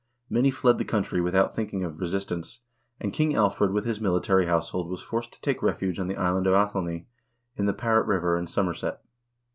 Many fled the country without thinking of resistance, and King Alfred with his military household was forced to take refuge on the island of Athelney,1 in the Parret River in Somer set.